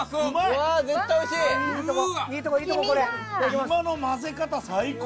今の混ぜ方最高！